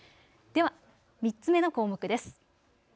では３つ目の項目です。